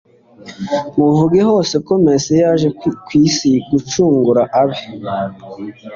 Muvuge hose ko mesiya yaje kw'isi gucungura abe